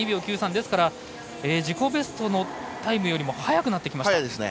ですから自己ベストのタイムよりも速くなってきました。